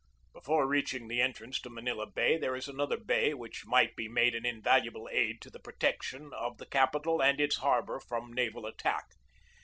Before reaching the entrance to Manila Bay there is another bay which might be made an invaluable aid to the protection of the capital and its harbor from naval attack.